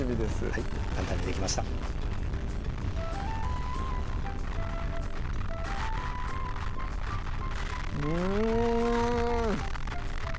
はい簡単にできましたうん！